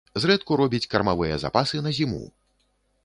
Зрэдку робіць кармавыя запасы на зіму.